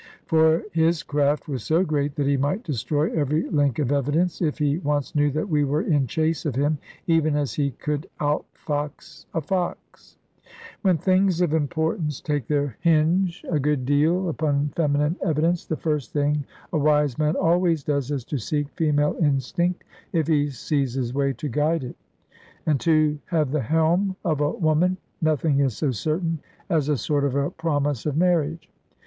For his craft was so great that he might destroy every link of evidence, if he once knew that we were in chase of him; even as he could out fox a fox. When things of importance take their hinge, a good deal, upon feminine evidence, the first thing a wise man always does is to seek female instinct, if he sees his way to guide it. And to have the helm of a woman, nothing is so certain as a sort of a promise of marriage.